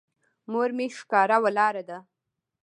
مور مې ښکاره ولاړه ده.